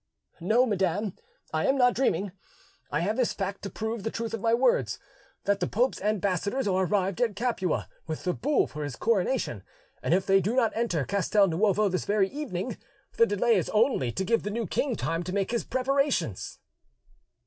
"No, madam, I am not dreaming: I have this fact to prove the truth of my words, that the pope's ambassadors are arrived at Capua with the bull for his coronation, and if they do not enter Castel Nuovo this very evening, the delay is only to give the new king time to make his preparations."